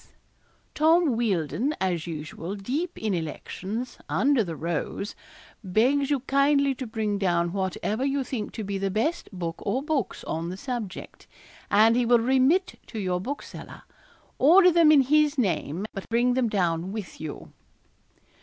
Tom Wealdon, as usual, deep in elections, under the rose, begs you kindly to bring down whatever you think to be the best book or books on the subject, and he will remit to your bookseller. Order them in his name, but bring them down with you.'